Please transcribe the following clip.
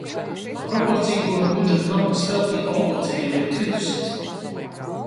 Tā proporcija, ko no budžeta naudas veltī autoceļiem, ir kritusies.